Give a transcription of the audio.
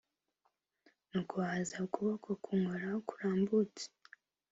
Nuko haza ukuboko kunkoraho kurambyutsa